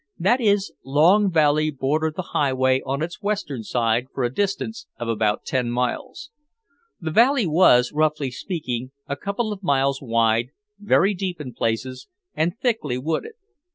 That is, Long Valley bordered the highway on its western side for a distance of about ten miles. The valley was, roughly speaking, a couple of miles wide, very deep in places, and thickly wooded.